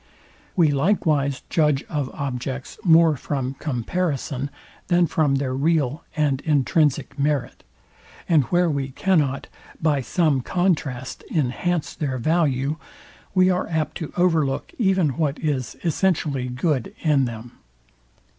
We likewise judge of objects more from comparison than from their real and intrinsic merit; and where we cannot by some contrast enhance their value, we are apt to overlook even what is essentially good in them.